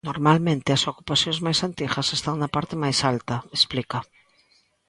"Normalmente, as ocupacións máis antigas están na parte máis alta", explica.